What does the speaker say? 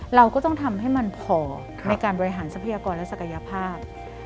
เราก็ต้องทำให้มันพอในการบริหารทรัพยากรและศักยภาพ